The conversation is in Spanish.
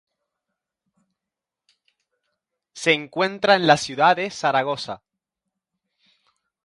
Se encuentra en la ciudad de Zaragoza.